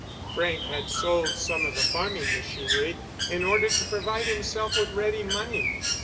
Frank had sold some of the farming machinery in order to provide himself with ready money.